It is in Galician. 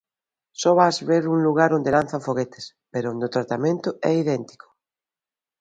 Só vas ver un lugar onde lanzan foguetes, pero onde o tratamento é idéntico.